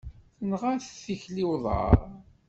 Tenɣa-t tikli uḍar.